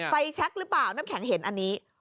แช็คหรือเปล่าน้ำแข็งเห็นอันนี้